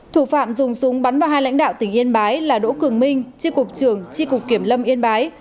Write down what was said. thủ phạm dùng súng bắn vào hai lãnh đạo tỉnh yên bái là đỗ cường minh chi cục trưởng chi cục kiểm lâm yên bái